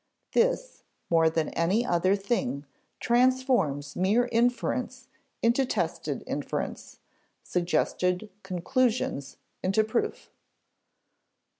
This, more than any other thing, transforms mere inference into tested inference, suggested conclusions into proof.